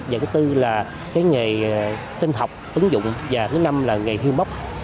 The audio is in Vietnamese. và thứ tư là nghề tên học ứng dụng và thứ năm là nghề hưu mốc